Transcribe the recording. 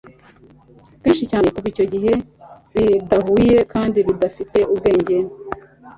kenshi cyane kuva icyo gihe, bidahuye kandi bidafite ubwenge